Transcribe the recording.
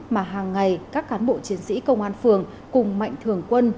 mà hàng ngày các cán bộ chiến sĩ công an phường cùng mạnh thường quân